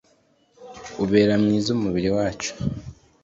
ubera mwiza umubiri wacu